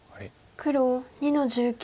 黒２の十九。